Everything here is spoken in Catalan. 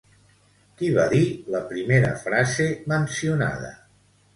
Qui va dir la primera frase mencionada?